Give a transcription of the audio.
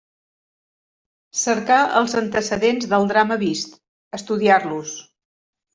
Cercar els antecedents del drama vist, estudiar-los